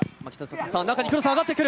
中にクロスが上がってくる。